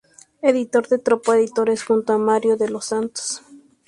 Editor de Tropo Editores junto a Mario de los Santos.